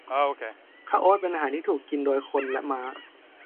ข้าวโอ๊ตเป็นอาหารที่ถูกกินโดยคนและม้า